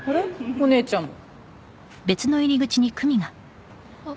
お姉ちゃんあっ